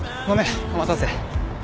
お待たせ。